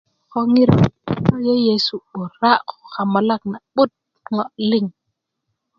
ko ŋiro lo yeyesu 'bura ko kamulak na'but ŋo liŋ